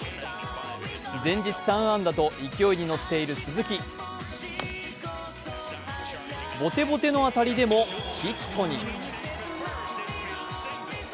前日３安打と勢いに乗っている鈴木ボテボテの当たりでもヒットに。